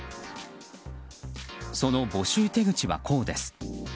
その募集手口はこうです。